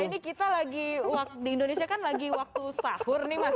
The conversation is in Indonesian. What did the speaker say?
ini kita lagi di indonesia kan lagi waktu sahur nih mas